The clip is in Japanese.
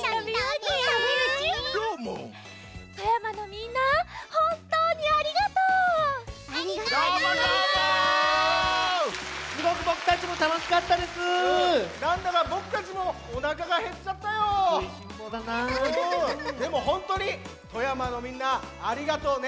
でもほんとうに富山のみんなありがとうね。